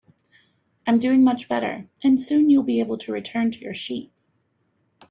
I'm doing much better, and soon you'll be able to return to your sheep.